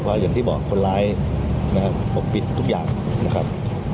เพราะอย่างที่บอกคนร้ายนะครับปกปิดทุกอย่างนะครับ